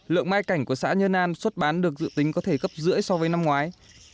lượng mai cảnh của xã nhơn an xuất bán được dự tính có thể gấp rưỡi so với năm ngoái